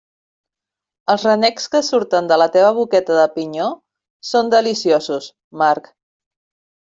Els renecs que surten de la teva boqueta de pinyó són deliciosos, Marc.